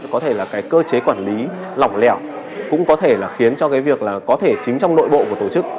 cái cơ chế quản lý lỏng lẻo cũng có thể là khiến cho cái việc là có thể chính trong nội bộ của tổ chức